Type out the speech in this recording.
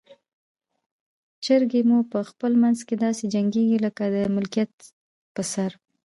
چرګې مو په خپل منځ کې داسې جنګیږي لکه د ملکیت پر سر.